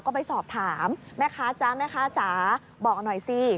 ของเราก็ไปสอบถามแม่คะจ๊ะบอกหน่อยสิ